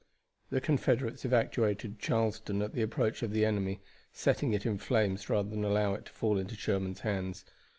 The Confederates evacuated Charleston at the approach of the enemy, setting it in flames rather than allow it to fall into Sherman's hands.